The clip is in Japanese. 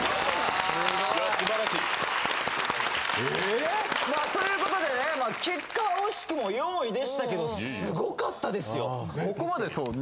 いや素晴らしいまあということでね結果は惜しくも４位でしたけどすごかったですよ